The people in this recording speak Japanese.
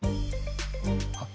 あっ。